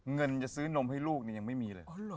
เงินจะซื้อนมให้ลูกนี่ยังไม่มีเลย